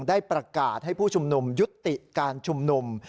ได้ประกาศให้ผู้ชุมนุมยุติการชุมนุม